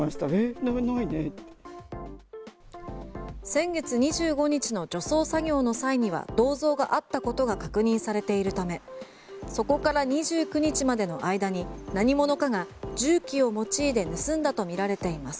先月２５日の除草作業の際には銅像があったことが確認されているためそこから２９日までの間に何者かが重機を用いて盗んだとみられています。